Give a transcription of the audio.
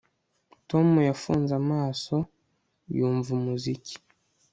Tom yafunze amaso yumva umuziki